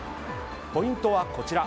ポイントはこちら。